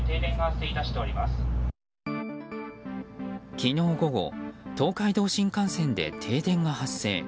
昨日午後東海道新幹線で停電が発生。